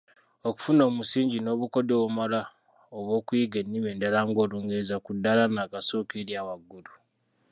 Okufuna omusingi n’obukodyo obumala obw’okuyiga ennimi endala ng’olungereza ku ddaala nnakasooka erya waggulu.